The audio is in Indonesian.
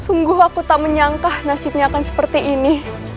sungguh aku tak menyangka nasibnya akan seperti ini